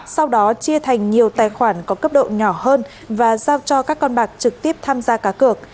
sau đó chia thành nhiều tài khoản có cấp độ nhỏ hơn và giao cho các con bạc trực tiếp tham gia cá cược